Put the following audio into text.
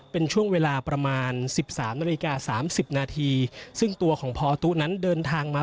เป็นช่วงเวลาประมาณสิบสามนาฬิกาสามสิบนาทีซึ่งตัวของพอตุ๊นั้นเดินทางมา